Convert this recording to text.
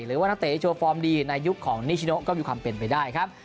หรือว่านักเตะโชว์ฟอร์มดีในยุคของนิชโนก็มีความเป็นไปได้ครับ